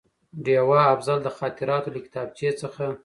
ډېوه افضل: د خاطراتو له کتابچې څخه